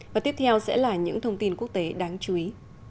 và tiếp theo sẽ là những thông tin quốc tế đáng chú ý